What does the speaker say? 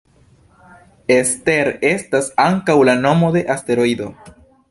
Ester estas ankaŭ la nomo de asteroido.